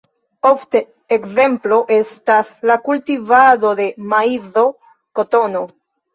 Ofte ekzemplo estas la kultivado de maizo, kotono.